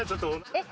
えっ？